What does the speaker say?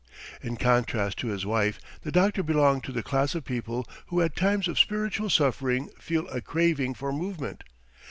In contrast to his wife the doctor belonged to the class of people who at times of spiritual suffering feel a craving for movement.